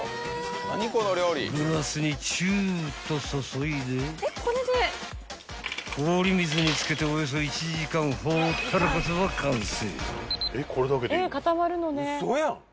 ［グラスにチューッとそそいで氷水に浸けておよそ１時間ほったらかせば完成］